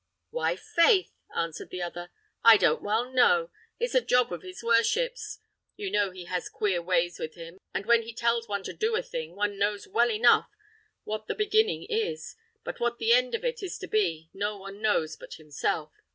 "Why, faith," answered the other, "I don't well know. It's a job of his worship's. You know he has queer ways with him; and when he tells one to do a thing, one knows well enough what the beginning is, but what the end of it is to be no one knows but himself.